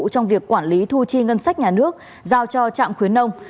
trong việc quản lý thu chi ngân sách nhà nước giao cho trạm khuyến nông